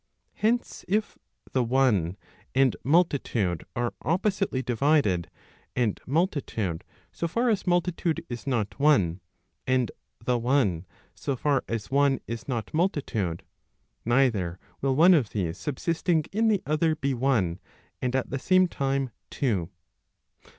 Hence, if the one and multitude are oppositely divided, and multitude so far as multitude is not one, and the one so far as one is not multitude, neither will one of these subsisting in the other be one and at the same time two.